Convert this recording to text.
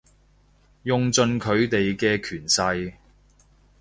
用盡佢哋嘅權勢